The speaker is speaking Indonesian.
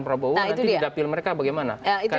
prabowo nanti dapil mereka bagaimana